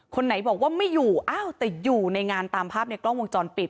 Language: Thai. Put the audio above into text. คนไหนบอกว่าไม่อยู่อ้าวแต่อยู่ในงานตามภาพในกล้องวงจรปิด